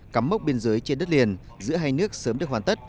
cắm mốc biên giới trên đất liền giữa hai nước sớm được hoàn tất